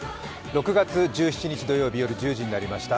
６月１７日土曜日夜１０時になりました。